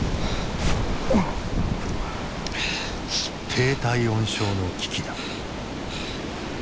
低体温症の危機だ。